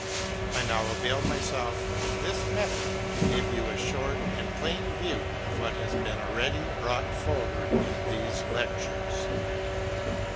I now avail myself of this method to give you a short and plain view of what lias been already brought forward in these lectures.